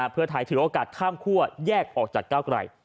เพื่อไทยถือโอกาสข้ามคั่วแยกออกจากก้าวไกล